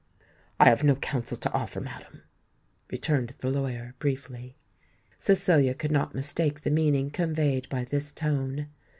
"I have no counsel to offer, madam," returned the lawyer, briefly. Cecilia could not mistake the meaning conveyed by this tone.